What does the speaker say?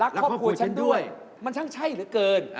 ครอบครัวฉันด้วยมันช่างใช่เหลือเกิน